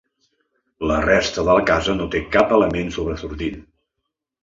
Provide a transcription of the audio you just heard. La resta de la casa no té cap element sobresortint.